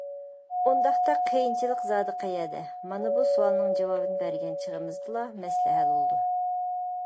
ئۇنداقتا قىيىنچىلىق زادى قەيەردە؟ مانا بۇ سوئالنىڭ جاۋابىنى بەرگەن چېغىمىزدىلا مەسىلە ھەل بولىدۇ.